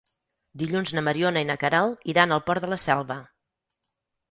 Dilluns na Mariona i na Queralt iran al Port de la Selva.